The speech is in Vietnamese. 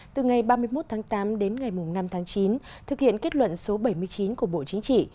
từ ngày ba mươi một tháng tám đến ngày năm tháng chín thực hiện kết luận số bảy mươi chín của bộ chính trị